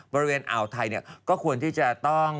บริเวณอ่าวไทยก็ควรที่จะต้อง